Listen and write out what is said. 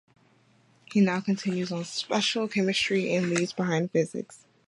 He now continues on with special chemistry, and leaves behind physics.